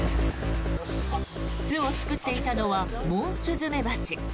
巣を作っていたのはモンスズメバチ。